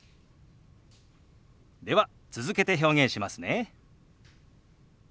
では続けて表現しますね。